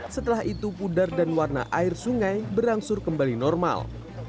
setelah itu pudar dan warna air sungai berangsur kembali normal